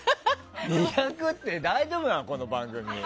２００って大丈夫なのこの番組。